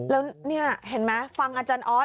แล้วนี่เห็นไหมฟังอาจารย์ออส